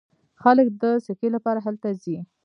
خلک د سکي لپاره هلته ځي.